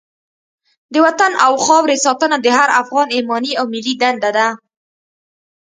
د وطن او خاورې ساتنه د هر افغان ایماني او ملي دنده ده.